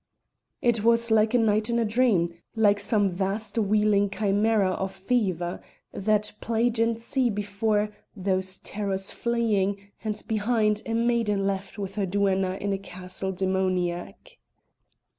It was like a night in a dream, like some vast wheeling chimera of fever that plangent sea before, those terrors fleeing, and behind, a maiden left with her duenna in a castle demoniac.